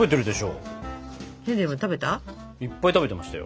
いっぱい食べてましたよ。